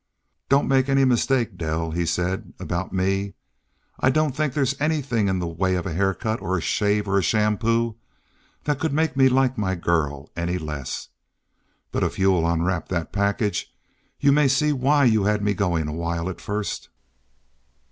"Don't make any mistake, Dell," he said, "about me. I don't think there's anything in the way of a haircut or a shave or a shampoo that could make me like my girl any less. But if you'll unwrap that package you may see why you had me going a while at first."